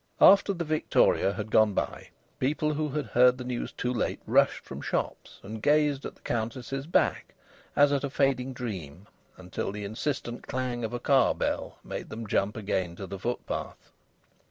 After the victoria had gone by people who had heard the news too late rushed from shops and gazed at the Countess's back as at a fading dream until the insistent clang of a car bell made them jump again to the footpath.